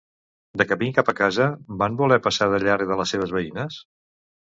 De camí cap a casa, va voler passar de llarg de les seves veïnes?